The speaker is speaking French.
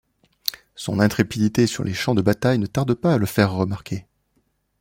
Son intrépidité sur les champs de bataille ne tarde pas à le faire remarquer.